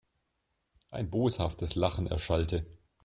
Ein boshaftes Lachen erschallte.